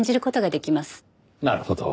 なるほど。